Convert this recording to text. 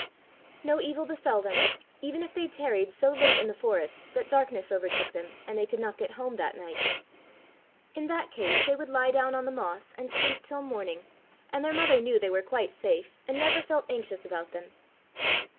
No evil befell them, even if they tarried so late in the forest that darkness overtook them and they could not get home that night. In that case, they would lie down on the moss and sleep till morning, and their mother knew they were quite safe, and never felt anxious about them.